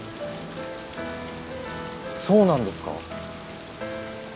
そうなんですか？